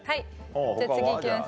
じゃあ次行きます。